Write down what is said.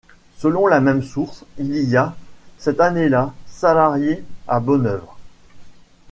Selon la même source, il y a, cette année-là, salariés à Bonnœuvre.